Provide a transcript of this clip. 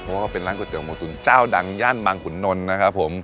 เพราะว่าเป็นร้านก๋วเตี๋หมูตุ๋นเจ้าดังย่านบางขุนนลนะครับผม